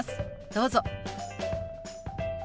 どうぞ。